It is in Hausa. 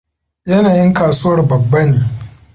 Yanayin kasuwar babbane.